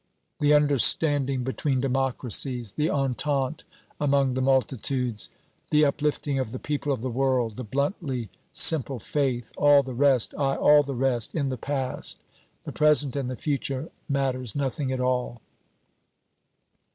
The understanding between democracies, the entente among the multitudes, the uplifting of the people of the world, the bluntly simple faith! All the rest, aye, all the rest, in the past, the present and the future, matters nothing at all.